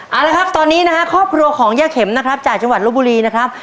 เอาละครับตอนนี้นะฮะครอบครัวของย่าเข็มนะครับจากจังหวัดลบบุรีนะครับ